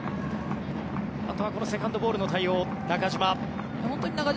あとはこのセカンドボールの対応中島。